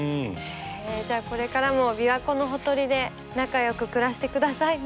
じゃあこれからも琵琶湖のほとりで仲良く暮らしてくださいね。